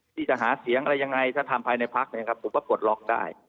หากจะหาเสียงอะไรอย่างไรจะทำภายในภักษ์ก็ปพลดล็อกได้